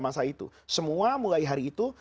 masa itu semua mulai hari itu